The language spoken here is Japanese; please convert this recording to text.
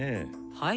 はい。